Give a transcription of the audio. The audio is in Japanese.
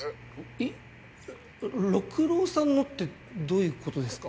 え六郎さんのってどういうことですか？